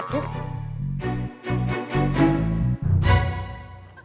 eh digeser bungkusin deh